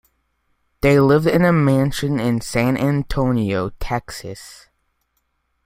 They lived in a mansion in San Antonio, Texas.